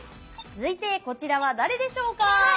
続いてこちらは誰でしょうか？